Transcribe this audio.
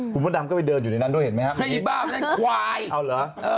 คุณพ่อดำก็ไปเดินอยู่ในนั้นด้วยเห็นไหมฮะไอ้บ้าไอ้ขวายเอาเหรอ